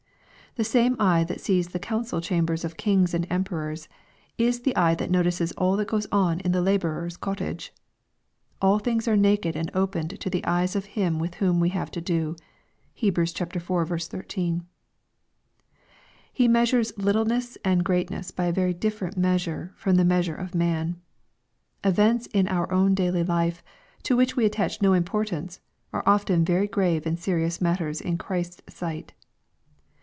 The same eye that sees the council chambers of kings and emperors, is the eye that notices all that goes on in the laborer's cottage. " All things are naked and opened to the eyes of Him with whom we have to do." (Heb. iv. 13.) He measures littleness and greatness by a very different measure from the measure of man. Events in our own daily life, to which we attach no importance, are often very grave and serious matters in Christ's sight.